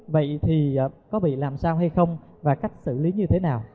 vậy thì có vị làm sao hay không và cách xử lý như thế nào